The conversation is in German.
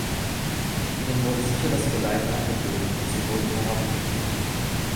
Ihnen wurde sicheres Geleit angeboten, doch sie wurden verhaftet.